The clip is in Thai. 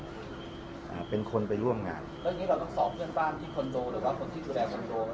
แต่ตอนนี้เราต้องสอบเพื่อนบ้านที่คอนโดหรือหรือคนที่รูดายคอนโด